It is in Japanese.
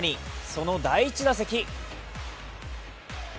その第１打席。